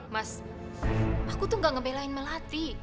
mas aku tuh gak ngebelain melati